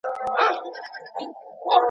له فريب او دوکي څخه ځان وساتئ.